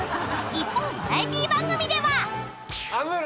［一方バラエティー番組では］